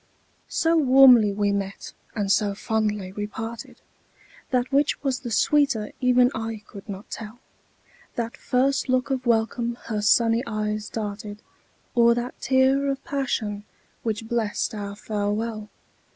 So warmly we met and so fondly we parted, That which was the sweeter even I could not tell, That first look of welcome her sunny eyes darted, Or that tear of passion, which blest our farewell.